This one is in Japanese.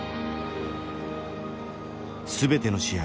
全ての試合